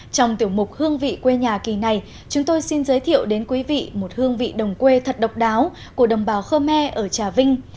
trong tiểu mục hương vị quê nhà kỳ này chúng tôi xin giới thiệu đến quý vị một hương vị đồng quê thật độc đáo của đồng bào khơ me ở trà vinh